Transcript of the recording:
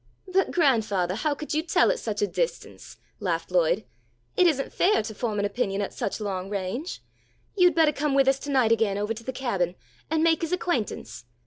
"But grandfathah, how could you tell at such a distance?" laughed Lloyd. "It isn't fair to form an opinion at such long range. You'd bettah come with us tonight again ovah to the Cabin, and make his acquaintance.